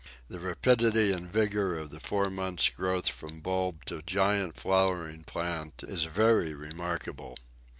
The rapidity and vigour of the four months' growth from bulb to giant flowering plant is very remarkable.